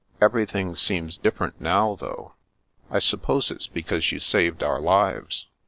Everything seems different though, now. I suppose it's because you saved our lives.